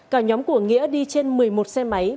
cả nhóm của nghĩa đi trên một mươi một xe máy